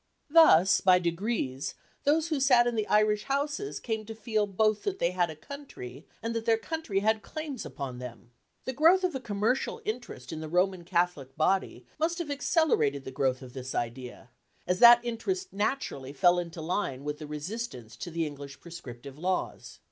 Thus by degrees those who sat in the Irish Houses came to feel both that they had a country, and that their country had claims upon them. The growth of a commercial interest in the Roman Catholic body must have accelerated the growth of this idea, as that interest naturally fell into line with the resistance to the English prescriptive laws.